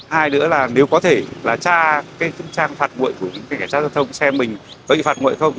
hai nữa là nếu có thể là tra cái trang phạt nguội của cảnh sát giao thông xem mình có bị phạt nguội không